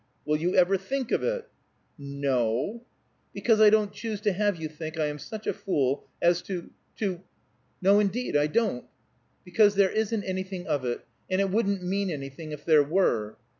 "Will you ever think of it!" "No " "Because I don't choose to have you think I am such a fool as to to " "No, indeed, I don't." "Because there isn't anything of it, and it wouldn't mean anything, if there were."